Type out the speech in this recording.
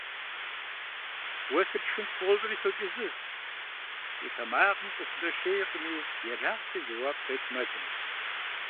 – Уэ сыпшхын сфӀощӀри сокӀэзыз – и тэмакъым къыхудэшейкъыми ерагъкӀэ жэуап къет Мэлым.